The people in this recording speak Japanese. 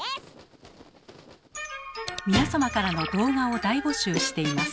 皆様からの動画を大募集しています。